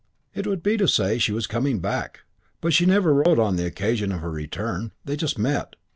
It would be to say she was coming back.... But she never wrote on the occasions of her return; they just met....